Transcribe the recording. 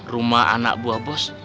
rumah anak buah bos